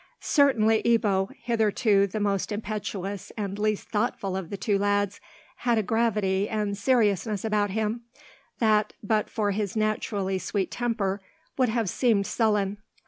Certainly Ebbo, hitherto the most impetuous and least thoughtful of the two lads, had a gravity and seriousness about him, that, but for his naturally sweet temper, would have seemed sullen.